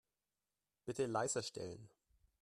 Bitte leiser stellen.